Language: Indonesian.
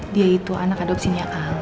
dia itu anak adopsinya al